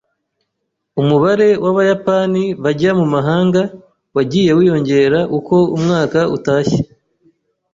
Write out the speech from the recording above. Umubare w'Abayapani bajya mu mahanga wagiye wiyongera uko umwaka utashye.